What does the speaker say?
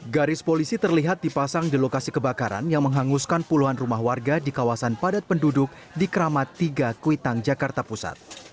garis polisi terlihat dipasang di lokasi kebakaran yang menghanguskan puluhan rumah warga di kawasan padat penduduk di keramat tiga kuitang jakarta pusat